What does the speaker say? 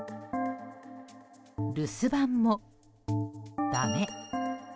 留守番も、だめ。